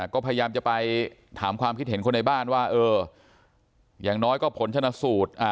ก็พยายามจะไปถามความคิดเห็นคนในบ้านว่าเอออย่างน้อยก็ผลชนะสูตร